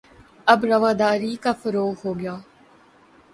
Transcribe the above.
اب رواداری کا فروغ ہو گا